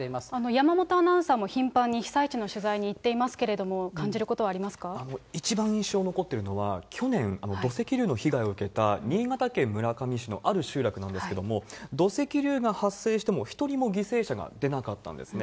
山本アナウンサーも、頻繁に被災地の取材に行っていますけれども、一番印象に残っているのは、去年、土石流の被害を受けた、新潟県村上市のある集落なんですけれども、土石流が発生しても、一人も犠牲者が出なかったんですね。